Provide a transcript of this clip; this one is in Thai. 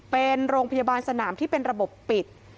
เป็นโรงพยาบาลสนามที่เป็นระบบปิด